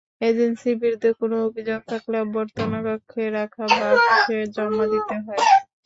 এজেন্সির বিরুদ্ধে কোনো অভিযোগ থাকলে অভ্যর্থনাকক্ষে রাখা বাক্সে জমা দিতে হয়।